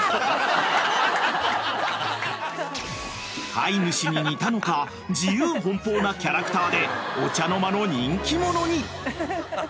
［飼い主に似たのか自由奔放なキャラクターでお茶の間の人気者に］